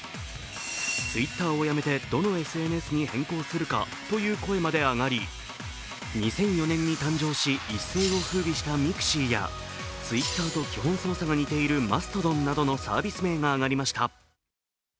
ＴｗｉｔｔｅｒをやめてどのＳＮＳに変更するかという声まで上がり２００４年に誕生し、一世をふうびしたｍｉｘｉやＴｗｉｔｔｅｒと基本操作が似ているＭａｓｔｏｄｏｎなどのサービス名が上がりました。